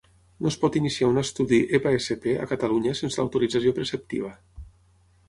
No es pot iniciar un estudi EPA-SP a Catalunya sense l'autorització preceptiva.